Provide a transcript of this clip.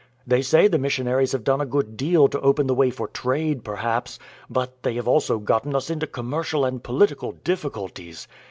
They say the missionaries have done a good deal to open the way for trade; perhaps but they have also gotten us into commercial and political difficulties.